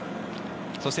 そして